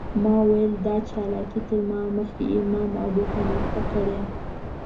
ما ویل دا چالاکي تر ما مخکې امام ابوحنیفه کړې.